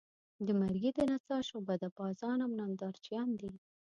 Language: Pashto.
د مرګي د نڅا شعبده بازان او نندارچیان دي.